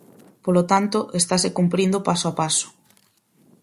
Polo tanto, estase cumprindo paso a paso.